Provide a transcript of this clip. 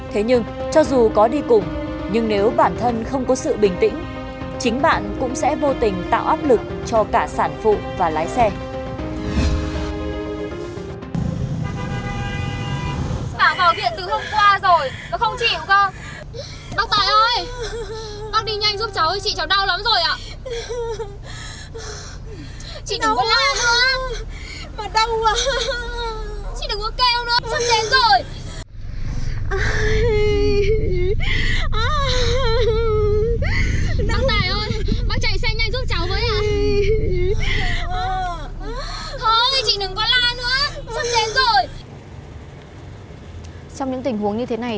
trong những tình huống như thế này